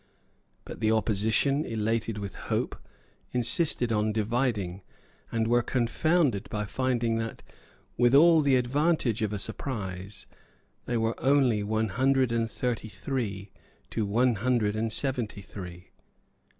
But the opposition, elated with hope, insisted on dividing, and were confounded by finding that, with all the advantage of a surprise, they were only one hundred and thirty three to one hundred and seventy three.